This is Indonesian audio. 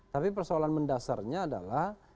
tapi persoalan mendasarnya adalah